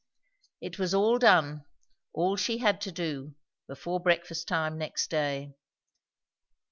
It was all done, all she had to do, before breakfast time next day.